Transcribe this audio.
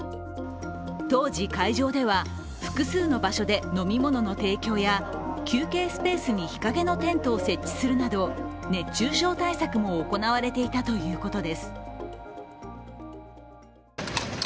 当時、会場では複数の場所で飲み物の提供や休憩スペースに日陰のテントを設置するなど、熱中症対策も行われていたということです。